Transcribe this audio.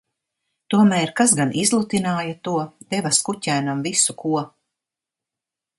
Tomēr kas gan izlutināja to, deva skuķēnam visu ko?